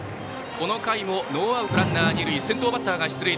この回もノーアウトランナー、二塁。